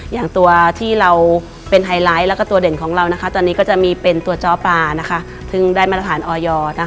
อย่างตัวที่เป็นไฮไลท์และตัวเด่นของเราตอนนี้ก็จะมีตัวจ้อปลาได้มตรฐานออยอร์